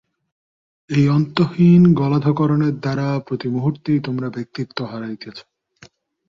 এই অন্তহীন গলাধঃকরণের দ্বারা প্রতি মুহূর্তেই তোমরা ব্যক্তিত্ব হারাইতেছ।